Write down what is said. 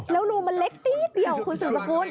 แล้วรูมันเล็กนิดเดียวคุณสื่อสกุล